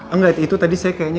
enggak itu tadi saya kayaknya